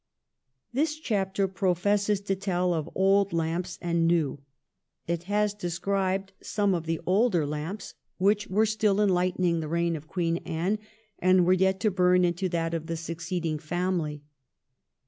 This chapter professes to tell of old lamps and new. It has described some of the older lamps 310 THE REIGN OF QUEEN ANNE. oh. xxxv. which were still enlightening the reign of Queen Anne and were yet to burn into that of the succeeding family.